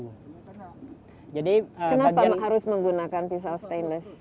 kenapa harus menggunakan pisau stainless